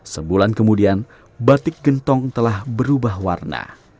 sebulan kemudian batik gentong telah berubah warna